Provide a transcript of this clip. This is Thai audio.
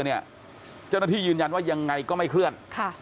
เจ้าหน้าที่ยืนยันว่ายังไงก็ไม่เคลื่อน